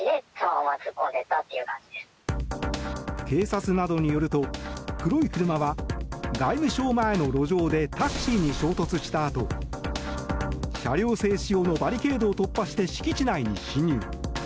警察などによると黒い車は外務省前の路上でタクシーに衝突したあと車両制止用のバリケードを突破して、敷地内に進入。